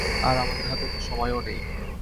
আর আমাদের হাতে অত সময়ও নেই।